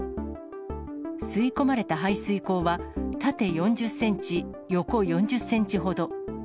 吸い込まれた排水口は、縦４０センチ、横４０センチほど。